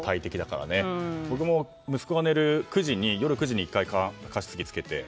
僕も、息子が寝る夜９時に１回、加湿器つけて。